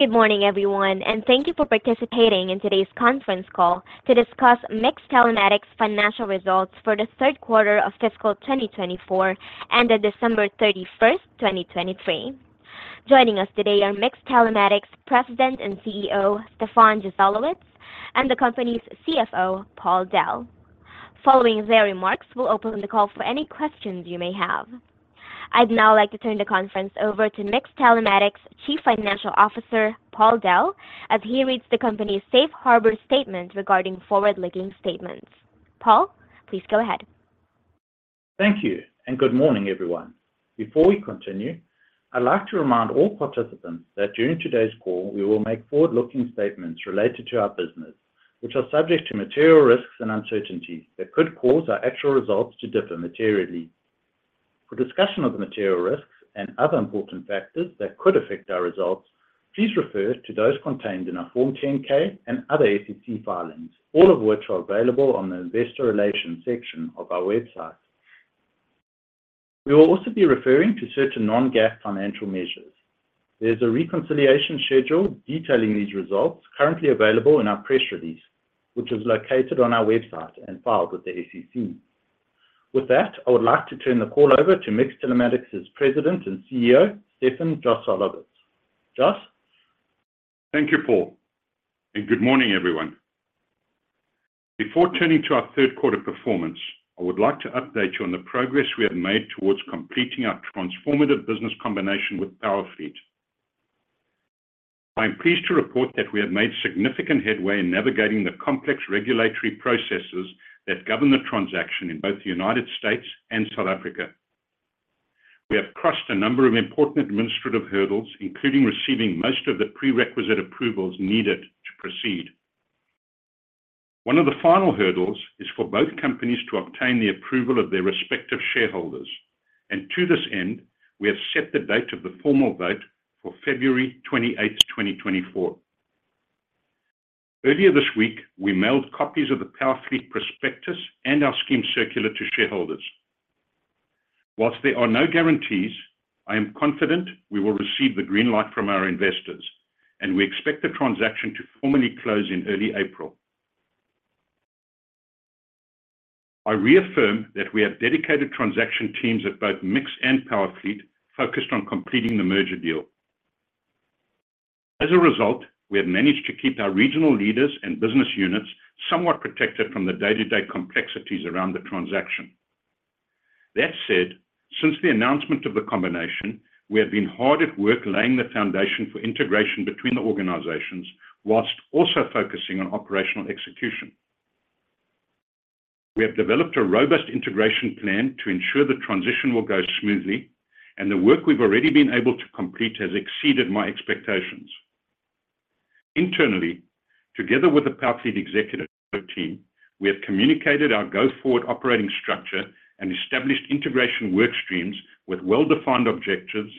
Good morning, everyone, and thank you for participating in today's conference call to discuss MiX Telematics' financial results for the third quarter of fiscal 2024 and the December 31, 2023. Joining us today are MiX Telematics President and CEO, Stefan Joselowitz, and the company's CFO, Paul Dell. Following their remarks, we'll open the call for any questions you may have. I'd now like to turn the conference over to MiX Telematics' Chief Financial Officer, Paul Dell, as he reads the company's safe harbor statement regarding forward-looking statements. Paul, please go ahead. Thank you, and good morning, everyone. Before we continue, I'd like to remind all participants that during today's call, we will make forward-looking statements related to our business, which are subject to material risks and uncertainties that could cause our actual results to differ materially. For discussion of the material risks and other important factors that could affect our results, please refer to those contained in our Form 10-K and other SEC filings, all of which are available on the Investor Relations section of our website. We will also be referring to certain non-GAAP financial measures. There's a reconciliation schedule detailing these results currently available in our press release, which is located on our website and filed with the SEC. With that, I would like to turn the call over to MiX Telematics' President and CEO, Stefan Joselowitz. Jos? Thank you, Paul, and good morning, everyone. Before turning to our third quarter performance, I would like to update you on the progress we have made towards completing our transformative business combination with Powerfleet. I am pleased to report that we have made significant headway in navigating the complex regulatory processes that govern the transaction in both the United States and South Africa. We have crossed a number of important administrative hurdles, including receiving most of the prerequisite approvals needed to proceed. One of the final hurdles is for both companies to obtain the approval of their respective shareholders, and to this end, we have set the date of the formal vote for February 28, 2024. Earlier this week, we mailed copies of the Powerfleet prospectus and our Scheme Circular to shareholders. While there are no guarantees, I am confident we will receive the green light from our investors, and we expect the transaction to formally close in early April. I reaffirm that we have dedicated transaction teams at both MiX and Powerfleet focused on completing the merger deal. As a result, we have managed to keep our regional leaders and business units somewhat protected from the day-to-day complexities around the transaction. That said, since the announcement of the combination, we have been hard at work laying the foundation for integration between the organizations while also focusing on operational execution. We have developed a robust integration plan to ensure the transition will go smoothly, and the work we've already been able to complete has exceeded my expectations. Internally, together with the Powerfleet executive team, we have communicated our go-forward operating structure and established integration work streams with well-defined objectives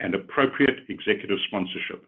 and appropriate executive sponsorship.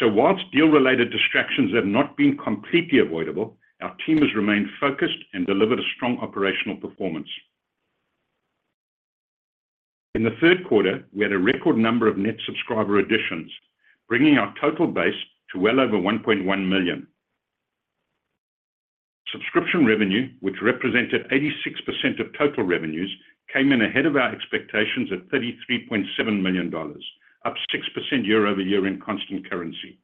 So while deal-related distractions have not been completely avoidable, our team has remained focused and delivered a strong operational performance. In the third quarter, we had a record number of net subscriber additions, bringing our total base to well over 1.1 million. Subscription revenue, which represented 86% of total revenues, came in ahead of our expectations at $33.7 million, up 6% year-over-year in constant currency.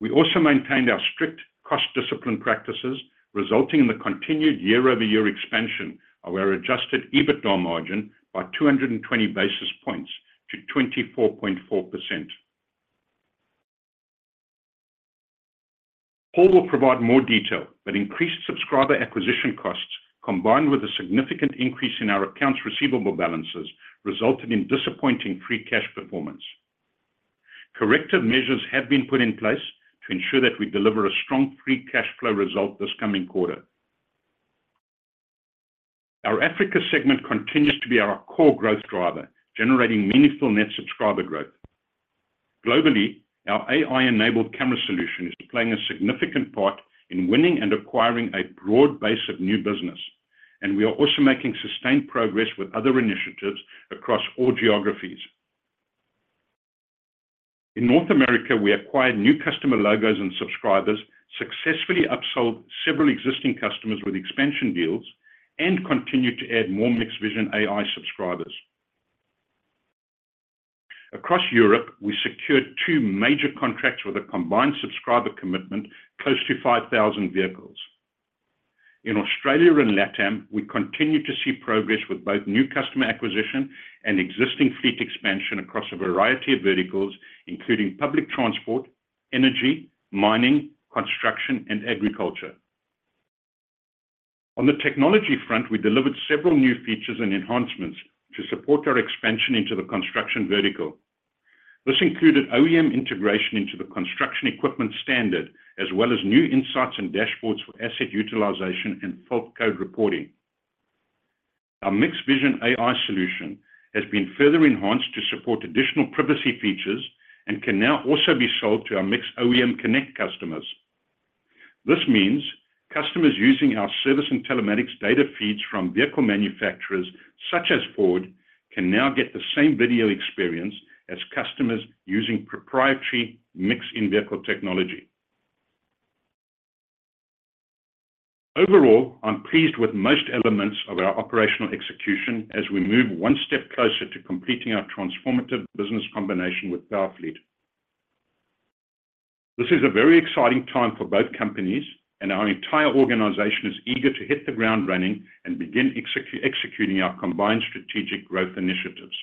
We also maintained our strict cost discipline practices, resulting in the continued year-over-year expansion of our Adjusted EBITDA margin by 220 basis points to 24.4%. Paul will provide more detail, but increased subscriber acquisition costs, combined with a significant increase in our accounts receivable balances, resulted in disappointing free cash performance. Corrective measures have been put in place to ensure that we deliver a strong free cash flow result this coming quarter. Our Africa segment continues to be our core growth driver, generating meaningful net subscriber growth. Globally, our AI-enabled camera solution is playing a significant part in winning and acquiring a broad base of new business, and we are also making sustained progress with other initiatives across all geographies. In North America, we acquired new customer logos and subscribers, successfully upsold several existing customers with expansion deals, and continued to add more MiX Vision AI subscribers. Across Europe, we secured two major contracts with a combined subscriber commitment close to 5,000 vehicles. In Australia and LATAM, we continue to see progress with both new customer acquisition and existing fleet expansion across a variety of verticals, including public transport, energy, mining, construction, and agriculture. On the technology front, we delivered several new features and enhancements to support our expansion into the construction vertical. This included OEM integration into the construction equipment standard, as well as new insights and dashboards for asset utilization and fault code reporting. Our MiX Vision AI solution has been further enhanced to support additional privacy features and can now also be sold to our MiX OEM Connect customers.... This means customers using our service and telematics data feeds from vehicle manufacturers, such as Ford, can now get the same video experience as customers using proprietary MiX in-vehicle technology. Overall, I'm pleased with most elements of our operational execution as we move one step closer to completing our transformative business combination with Powerfleet. This is a very exciting time for both companies, and our entire organization is eager to hit the ground running and begin executing our combined strategic growth initiatives.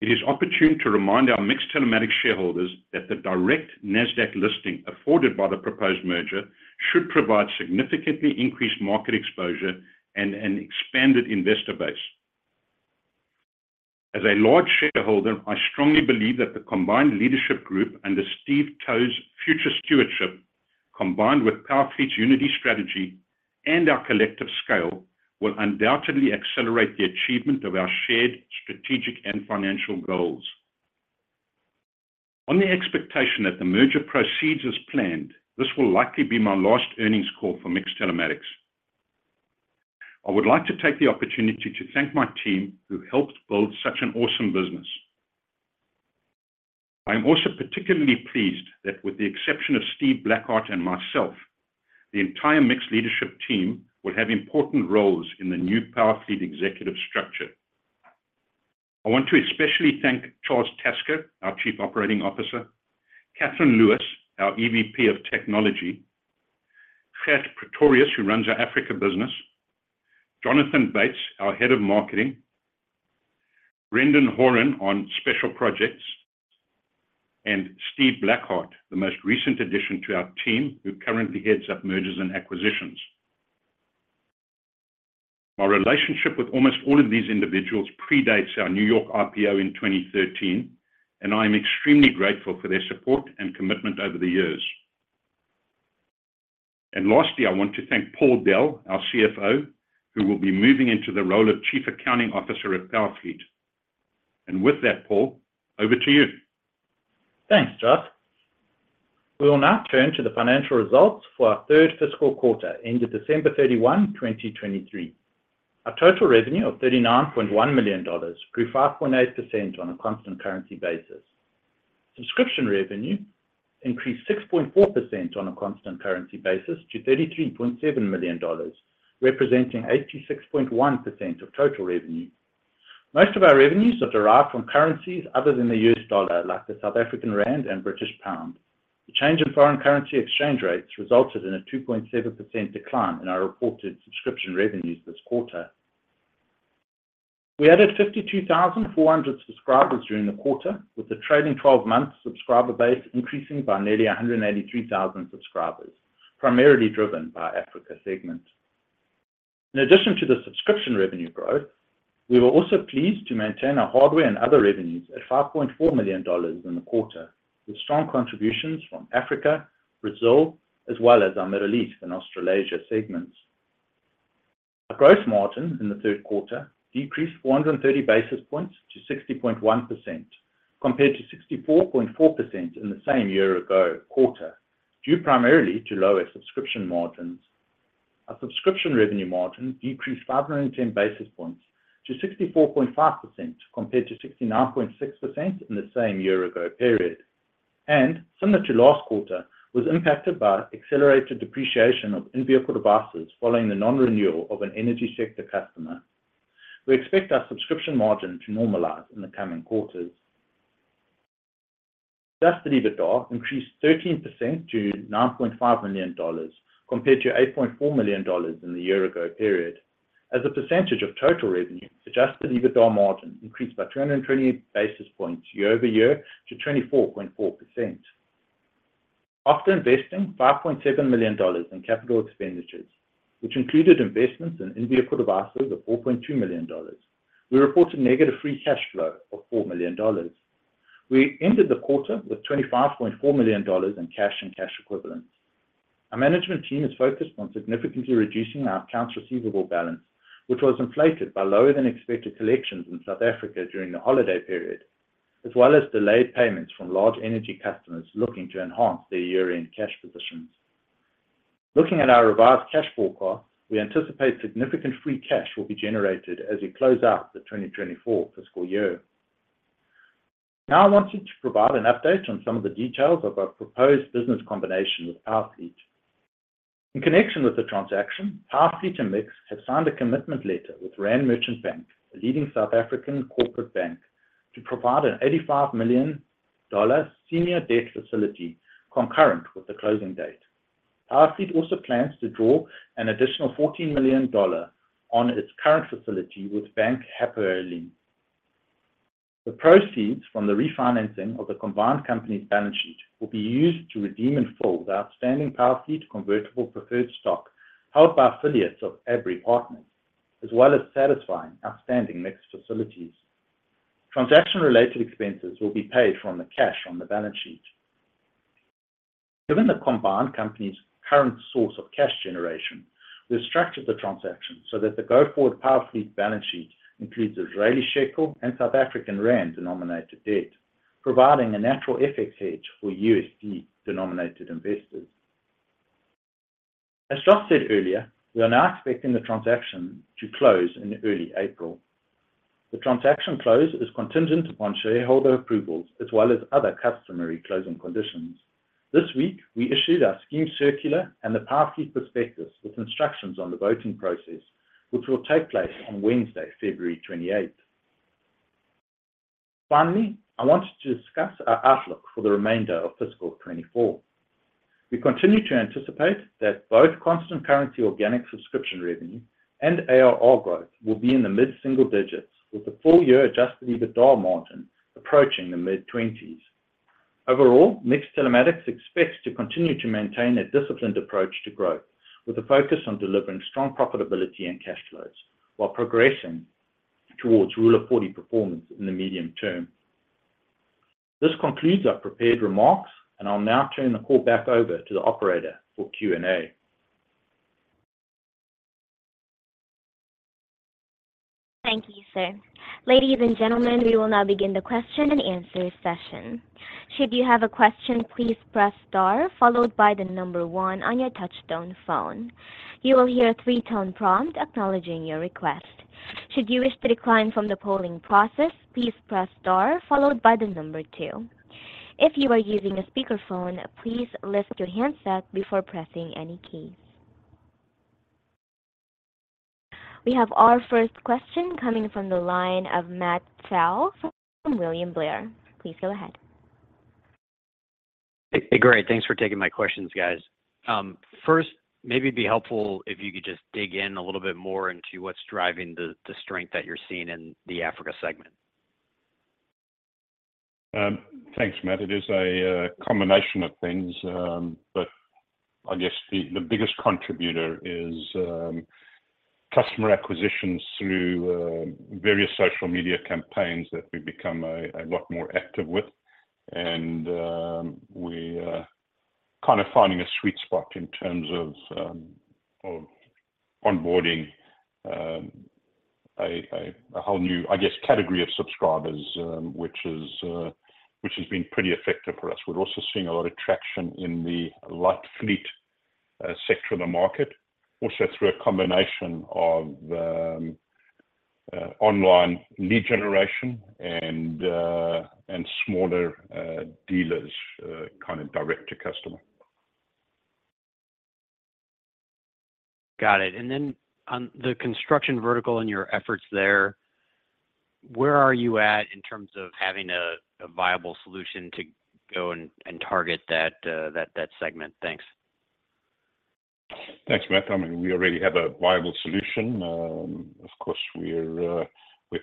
It is opportune to remind our MiX Telematics shareholders that the direct Nasdaq listing afforded by the proposed merger should provide significantly increased market exposure and an expanded investor base. As a large shareholder, I strongly believe that the combined leadership group under Steve Towe's future stewardship, combined with Powerfleet's Unity strategy and our collective scale, will undoubtedly accelerate the achievement of our shared strategic and financial goals. On the expectation that the merger proceeds as planned, this will likely be my last earnings call for MiX Telematics. I would like to take the opportunity to thank my team, who helped build such an awesome business. I am also particularly pleased that with the exception of Steve Blackard and myself, the entire MiX leadership team will have important roles in the new Powerfleet executive structure. I want to especially thank Charles Tasker, our Chief Operating Officer, Catherine Lewis, our EVP of Technology, Gert Pretorius, who runs our Africa business, Jonathan Bates, our Head of Marketing, Brendan Horan on special projects, and Steve Blackard, the most recent addition to our team, who currently heads up mergers and acquisitions. My relationship with almost all of these individuals predates our New York IPO in 2013, and I am extremely grateful for their support and commitment over the years. Lastly, I want to thank Paul Dell, our CFO, who will be moving into the role of Chief Accounting Officer at Powerfleet. With that, Paul, over to you. Thanks, Jos. We will now turn to the financial results for our third fiscal quarter, ended December 31, 2023. Our total revenue of $39.1 million grew 5.8% on a constant currency basis. Subscription revenue increased 6.4% on a constant currency basis to $33.7 million, representing 86.1% of total revenue. Most of our revenues are derived from currencies other than the U.S. dollar, like the South African rand and British pound. The change in foreign currency exchange rates resulted in a 2.7% decline in our reported subscription revenues this quarter. We added 52,400 subscribers during the quarter, with the trailing twelve months subscriber base increasing by nearly 183,000 subscribers, primarily driven by Africa segment. In addition to the subscription revenue growth, we were also pleased to maintain our hardware and other revenues at $5.4 million in the quarter, with strong contributions from Africa, Brazil, as well as our Middle East and Australasia segments. Our gross margin in the third quarter decreased 430 basis points to 60.1%, compared to 64.4% in the same year-ago quarter, due primarily to lower subscription margins. Our subscription revenue margin decreased 510 basis points to 64.5%, compared to 69.6% in the same year-ago period, and similar to last quarter, was impacted by accelerated depreciation of in-vehicle devices following the non-renewal of an energy sector customer. We expect our subscription margin to normalize in the coming quarters. Adjusted EBITDA increased 13% to $9.5 million, compared to $8.4 million in the year-ago period. As a percentage of total revenue, Adjusted EBITDA margin increased by 220 basis points year-over-year to 24.4%. After investing $5.7 million in capital expenditures, which included investments in in-vehicle devices of $4.2 million, we reported negative free cash flow of $4 million. We ended the quarter with $25.4 million in cash and cash equivalents. Our management team is focused on significantly reducing our accounts receivable balance, which was inflated by lower than expected collections in South Africa during the holiday period, as well as delayed payments from large energy customers looking to enhance their year-end cash positions. Looking at our revised cash forecast, we anticipate significant free cash will be generated as we close out the 2024 fiscal year. Now, I want you to provide an update on some of the details of our proposed business combination with Powerfleet. In connection with the transaction, Powerfleet and MiX have signed a commitment letter with Rand Merchant Bank, a leading South African corporate bank, to provide an $85 million senior debt facility concurrent with the closing date. Powerfleet also plans to draw an additional $14 million on its current facility with Bank Hapoalim. The proceeds from the refinancing of the combined company's balance sheet will be used to redeem in full the outstanding Powerfleet convertible preferred stock held by affiliates of Abry Partners, as well as satisfying outstanding MiX facilities. Transaction-related expenses will be paid from the cash on the balance sheet. Given the combined company's current source of cash generation, we've structured the transaction so that the go-forward Powerfleet balance sheet includes Israeli shekel and South African rand-denominated debt, providing a natural FX hedge for USD-denominated investors. As Jos said earlier, we are now expecting the transaction to close in early April. The transaction close is contingent upon shareholder approvals, as well as other customary closing conditions. This week, we issued our Scheme Circular and the Powerfleet prospectus with instructions on the voting process, which will take place on Wednesday, February 28th. Finally, I wanted to discuss our outlook for the remainder of fiscal 2024. We continue to anticipate that both constant currency organic subscription revenue and ARR growth will be in the mid-single digits, with the full-year Adjusted EBITDA margin approaching the mid-20s. Overall, MiX Telematics expects to continue to maintain a disciplined approach to growth, with a focus on delivering strong profitability and cash flows, while progressing towards Rule of 40 performance in the medium term. This concludes our prepared remarks, and I'll now turn the call back over to the operator for Q&A. Thank you, sir. Ladies and gentlemen, we will now begin the question and answer session. Should you have a question, please press star followed by the number 1 on your touchtone phone. You will hear a three-tone prompt acknowledging your request. Should you wish to decline from the polling process, please press star followed by the number two. If you are using a speakerphone, please lift your handset before pressing any keys. We have our first question coming from the line of Matt Pfau from William Blair. Please go ahead. Hey, great. Thanks for taking my questions, guys. First, maybe it'd be helpful if you could just dig in a little bit more into what's driving the strength that you're seeing in the Africa segment. Thanks, Matt. It is a combination of things, but I guess the biggest contributor is customer acquisitions through various social media campaigns that we've become a lot more active with. We are kinda finding a sweet spot in terms of onboarding a whole new, I guess, category of subscribers, which has been pretty effective for us. We're also seeing a lot of traction in the light fleet sector of the market, also through a combination of online lead generation and smaller dealers kind of direct to customer. Got it. And then on the construction vertical and your efforts there, where are you at in terms of having a viable solution to go and target that segment? Thanks. Thanks, Matt. I mean, we already have a viable solution. Of course, we're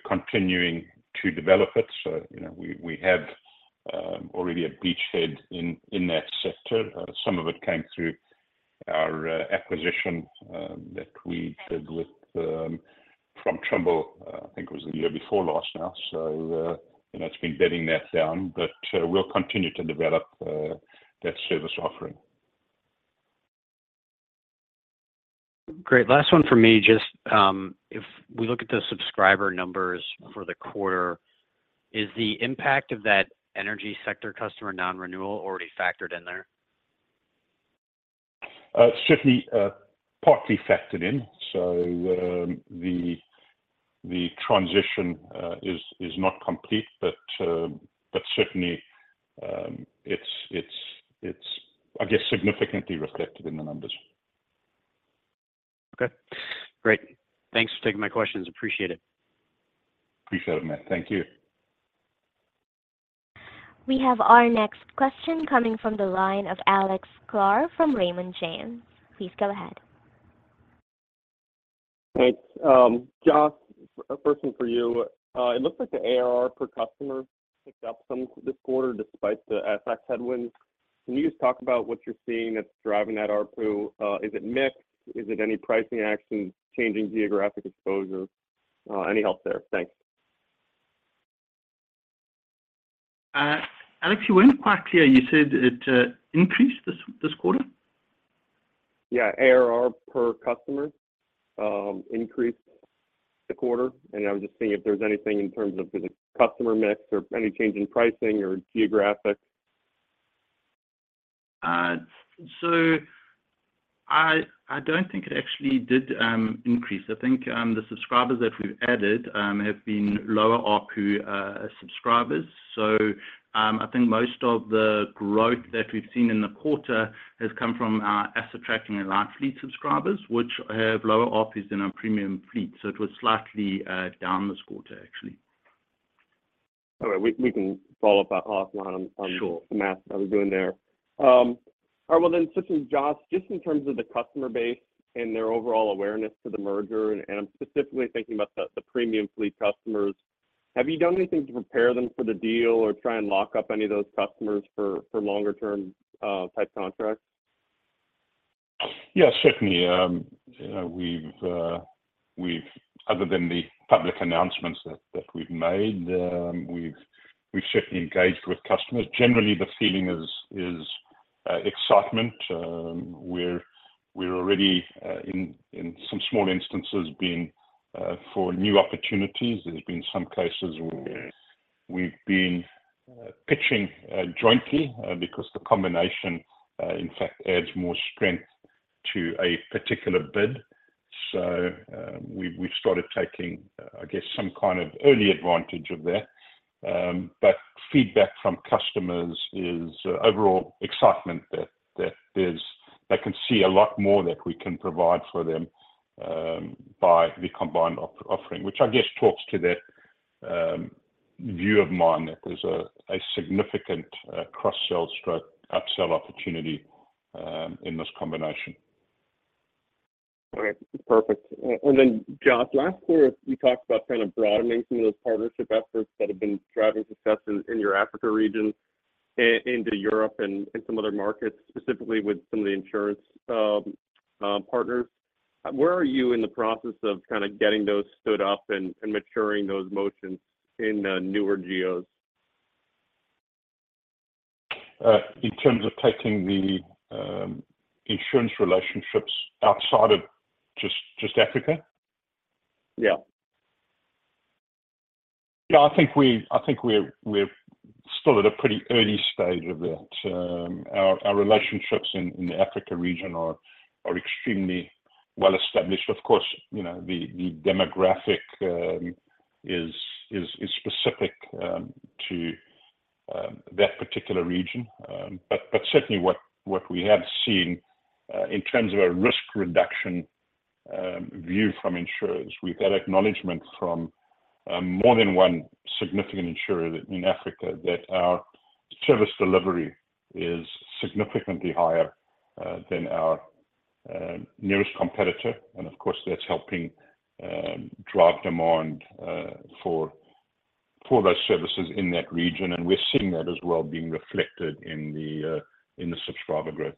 continuing to develop it. So, you know, we have already a beachhead in that sector. Some of it came through our acquisition that we did with Trimble, I think it was the year before last now. So, you know, it's been bedding that down, but we'll continue to develop that service offering. Great. Last one for me. Just, if we look at the subscriber numbers for the quarter, is the impact of that energy sector customer non-renewal already factored in there? Certainly, partly factored in. So, the transition is not complete, but certainly, it's significantly reflected in the numbers. Okay, great. Thanks for taking my questions. Appreciate it. Appreciate it, Matt. Thank you. We have our next question coming from the line of Alex Sklar from Raymond James. Please go ahead. Thanks. Jos, a question for you. It looks like the ARR per customer picked up some this quarter, despite the FX headwinds. Can you just talk about what you're seeing that's driving that ARPU? Is it mix? Is it any pricing actions, changing geographic exposure? Any help there? Thanks. Alex, you weren't quite clear. You said it increased this quarter? Yeah, ARR per customer increased the quarter, and I was just seeing if there's anything in terms of the customer mix or any change in pricing or geographic? So I don't think it actually did increase. I think the subscribers that we've added have been lower ARPU subscribers. So I think most of the growth that we've seen in the quarter has come from our asset tracking and light fleet subscribers, which have lower ARPUs than our premium fleet. So it was slightly down this quarter, actually. All right, we can follow up offline on- Sure... the math that we're doing there. All right, well, then just, Jos, just in terms of the customer base and their overall awareness to the merger, and I'm specifically thinking about the premium fleet customers, have you done anything to prepare them for the deal or try and lock up any of those customers for longer-term type contracts?... Yeah, certainly, you know, we've other than the public announcements that we've made, we've certainly engaged with customers. Generally, the feeling is excitement. We're already in some small instances been for new opportunities. There's been some cases where we've been pitching jointly because the combination in fact adds more strength to a particular bid. So, we've started taking, I guess, some kind of early advantage of that. But feedback from customers is overall excitement that there's they can see a lot more that we can provide for them by the combined offering, which I guess talks to that view of mine, that there's a significant cross-sell/upsell opportunity in this combination. Great. Perfect. And then, Jos, last quarter, you talked about kind of broadening some of those partnership efforts that have been driving success in your Africa region into Europe and some other markets, specifically with some of the insurance partners. Where are you in the process of kinda getting those stood up and maturing those motions in newer geos? In terms of taking the insurance relationships outside of just, just Africa? Yeah. Yeah, I think we're still at a pretty early stage of that. Our relationships in the Africa region are extremely well-established. Of course, you know, the demographic is specific to that particular region. But certainly what we have seen in terms of a risk reduction view from insurers, we've had acknowledgment from more than one significant insurer that in Africa, that our service delivery is significantly higher than our nearest competitor. And of course, that's helping drive demand for those services in that region, and we're seeing that as well, being reflected in the subscriber growth.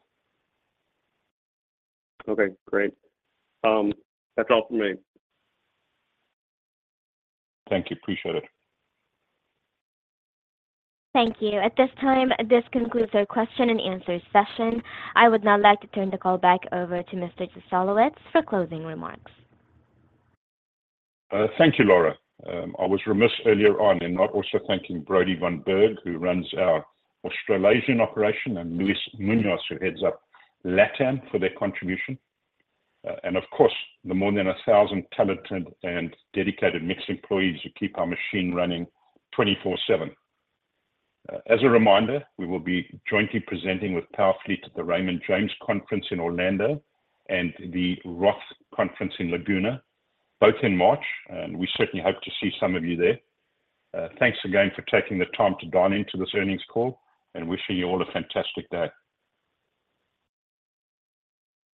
Okay, great. That's all from me. Thank you. Appreciate it. Thank you. At this time, this concludes our question and answer session. I would now like to turn the call back over to Mr. Joselowitz for closing remarks. Thank you, Laura. I was remiss earlier on in not also thanking Brodie von Berg, who runs our Australasian operation, and Luiz Munhoz, who heads up Latin, for their contribution. Of course, the more than 1,000 talented and dedicated MiX employees who keep our machine running twenty-four/seven. As a reminder, we will be jointly presenting with Powerfleet at the Raymond James Conference in Orlando and the ROTH Conference in Laguna, both in March, and we certainly hope to see some of you there. Thanks again for taking the time to dial into this earnings call, and wishing you all a fantastic day.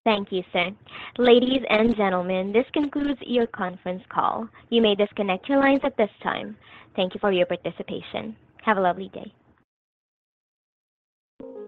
Thank you, sir. Ladies and gentlemen, this concludes your conference call. You may disconnect your lines at this time. Thank you for your participation. Have a lovely day.